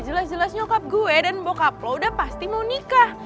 jelas jelas nyokap gue dan bokap lo udah pasti mau nikah